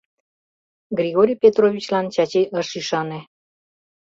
Григорий Петровичлан Чачи ыш ӱшане.